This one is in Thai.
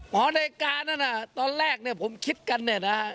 หอนาฬิกานั้นน่ะตอนแรกผมคิดกันนะฮะ